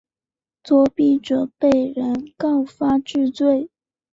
作弊者被人告发治罪。